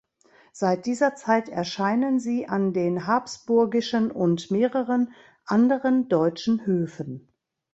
Seit dieser Zeit erscheinen sie an den habsburgischen und mehreren anderen deutschen Höfen.